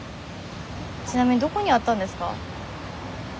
ちなみにどこにあったんですか？